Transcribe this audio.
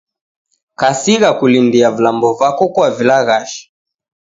Kasigha kulindia vilambo vako kuavilaghasha.